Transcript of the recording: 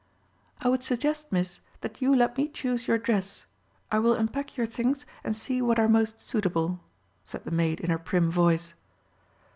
"I would suggest, miss, that you let me choose your dress. I will unpack your things, and see what are most suitable," said the maid in her prim voice.